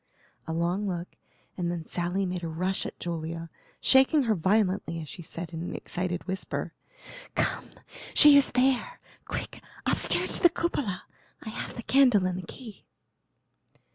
A long look, and then Sally made a rush at Julia, shaking her violently as she said in an excited whisper: "Come! she is there. Quick! upstairs to the cupola; I have the candle and the key."